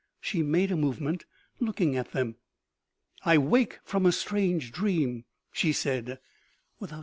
She made a movement, looking at them. " I wake from a strange dream," she said, without seem 17 25* OM E GA